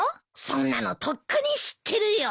そんなのとっくに知ってるよ。